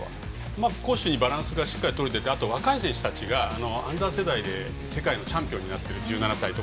攻守にバランスが取れていて若い選手たちがアンダー世代で世界のチャンピオンになっている。